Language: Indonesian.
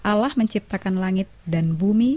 allah menciptakan langit dan bumi